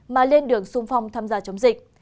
mà lên đường sung phong tham gia chống dịch